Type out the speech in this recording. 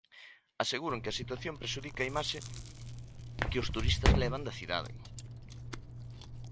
Aseguran que a situación prexudica a imaxe que os turistas levan da cidade.